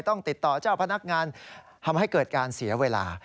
ต้องติดต่อเจ้าพนักงานทำให้เกิดการเสียเวลา